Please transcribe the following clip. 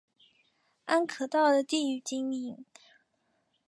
安可道的地域经营。